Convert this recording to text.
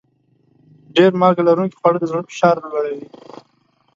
ډېر مالګه لرونکي خواړه د زړه فشار لوړوي.